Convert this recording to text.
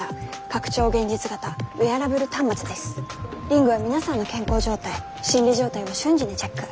リングは皆さんの健康状態心理状態を瞬時にチェック。